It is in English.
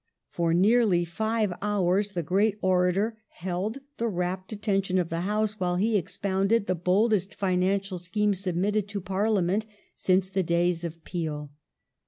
For nearly five hours the great orator held the rapt attention of the House while he expounded the boldest financial scheme submitted to Parliament since the days of Peel.